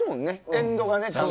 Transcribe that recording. エンドが。